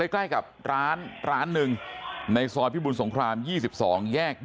ใกล้กับร้าน๑ในซอยพิบุลสงคราม๒๒แยก๒๔